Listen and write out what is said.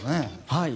はい。